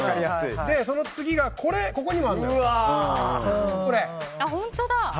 その次が、ここにもあるんだよ。